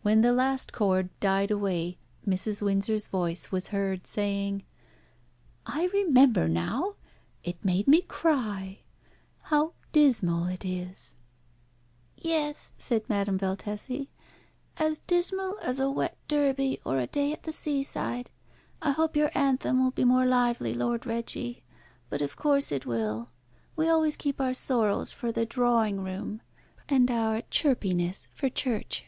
When the last chord died away, Mrs. Windsor's voice was heard saying "I remember now, it made me cry. How dismal it is." "Yes," said Madame Valtesi, "as dismal as a wet Derby or a day at the seaside. I hope your anthem will be more lively, Lord Reggie. But of course it will. We always keep our sorrows for the drawing room, and our chirpiness for church.